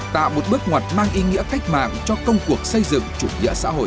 tạo một bước ngoặt mang ý nghĩa cách mạng cho công cuộc xây dựng chủ nghĩa xã hội